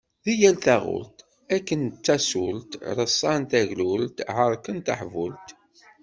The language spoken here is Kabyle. Di yal taɣult, akken d tasult, ṛeṣṣan taglult, ɛerken taḥbult.